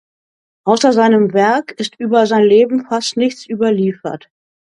Außer seinem Werk ist über sein Leben fast nichts überliefert